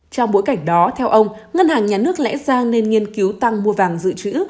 trong bối cảnh đó theo ông ngân hàng nhà nước lẽ ra nên nghiên cứu tăng mua vàng dự trữ